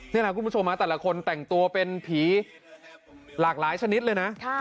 นี่แหละคุณผู้ชมแต่ละคนแต่งตัวเป็นผีหลากหลายชนิดเลยนะ